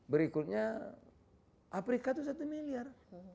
berikutnya afrika itu satu miliar